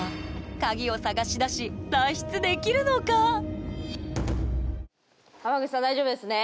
鍵を探し出し脱出できるのか⁉浜口さん大丈夫ですね？